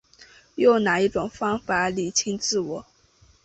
用哪一种方法厘清自我